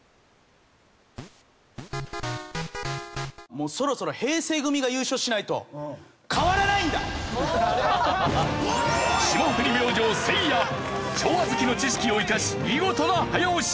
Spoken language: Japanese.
もうそろそろ霜降り明星せいや昭和好きの知識を生かし見事な早押し。